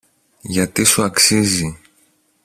γιατί σου αξίζει.